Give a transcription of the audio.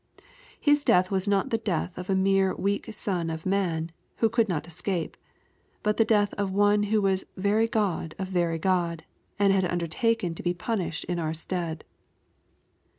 His death was not the death of a mere weak son of man, who could not escape ; but the death of Ono who was very God of very God, and had undertaken to be punished in our stead.